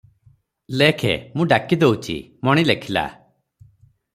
ଲେଖେ, ମୁଁ ଡାକି ଦଉଚି"- ମଣି ଲେଖିଲା-